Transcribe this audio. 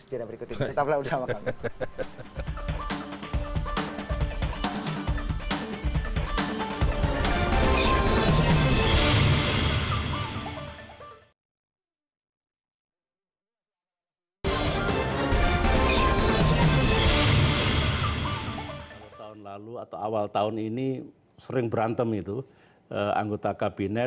jangan berikut ini